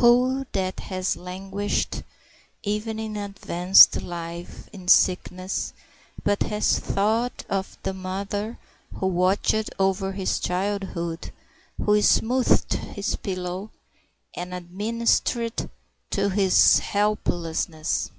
Who that has languished, even in advanced life, in sickness, but has thought of the mother who watched over his childhood, who smoothed his pillow, and administered to his helplessness?